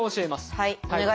はい。